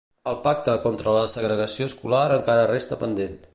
El pacte contra la segregació escolar encara resta pendent.